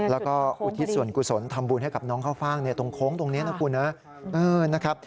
แล้วก็อุทิศส่วนกุศลทำบุญให้กับน้องข้าวฟ่างตรงโค้งตรงนี้นะคุณนะครับ